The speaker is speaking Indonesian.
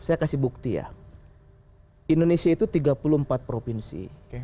saya kasih bukti ya indonesia itu tiga puluh empat provinsi